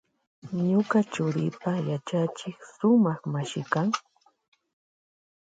Ñuka churipa yachachik sumak mashi kan.